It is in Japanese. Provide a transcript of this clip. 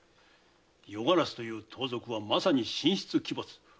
夜鴉という盗賊はまさに神出鬼没。